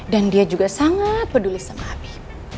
dan dia juga sangat peduli sama abi